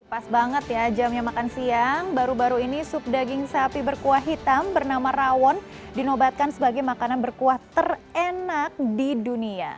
pas banget ya jamnya makan siang baru baru ini sup daging sapi berkuah hitam bernama rawon dinobatkan sebagai makanan berkuah terenak di dunia